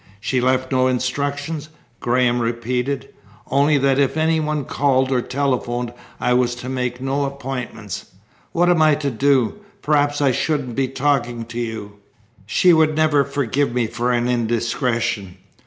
"She left no instructions?" Graham repeated. "Only that if any one called or telephoned I was to make no appointments. What am I to do? Perhaps I shouldn't be talking to you. She would never forgive me for an indiscretion."